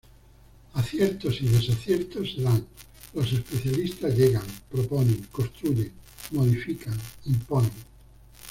Aciertos y desaciertos se dan: los especialistas llegan, proponen, construyen, modifican, imponen.